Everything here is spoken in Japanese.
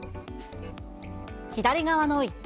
左側の一等